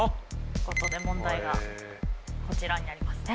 ここで問題がこちらになりますね。